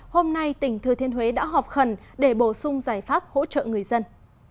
hôm nay tỉnh thừa thiên huế đã họp khẩn để bổ sung giải pháp hỗ trợ người dân